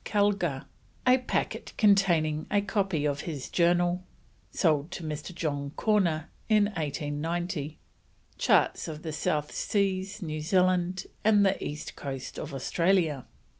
Kelgar, a packet containing a copy of his Journal (sold to Mr. John Corner in 1890), charts of the South Seas, New Zealand, and the East Coast of Australia.